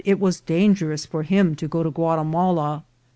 it was dangerous for him to go to Guatimala.